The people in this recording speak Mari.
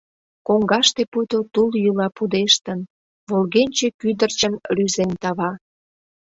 Коҥгаште пуйто тул йӱла пудештын — волгенче кӱдырчым рӱзен тава.